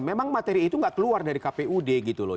memang materi itu nggak keluar dari kpud gitu loh